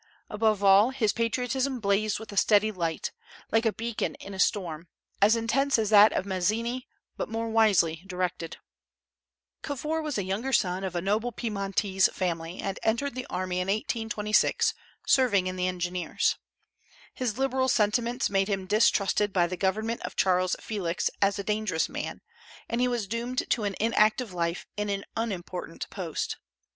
Above all, his patriotism blazed with a steady light, like a beacon in a storm, as intense as that of Mazzini, but more wisely directed. Cavour was a younger son of a noble Piedmontese family, and entered the army in 1826, serving in the engineers. His liberal sentiments made him distrusted by the government of Charles Felix as a dangerous man, and he was doomed to an inactive life in an unimportant post.